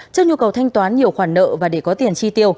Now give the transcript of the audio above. trước nhu cầu thanh toán nhiều khoản nợ và để có tiền chi tiêu